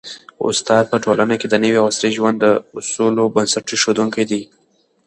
استاد په ټولنه کي د نوي او عصري ژوند د اصولو بنسټ ایښودونکی دی.